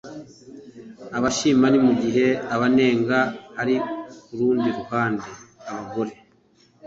Abashima ni mu gihe abanenga ari kurundi ruhande abagore